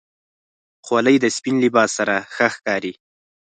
خولۍ د سپین لباس سره ښه ښکاري.